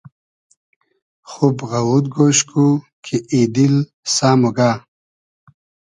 خوب غئوود گۉش کو کی ای دیل سۂ موگۂ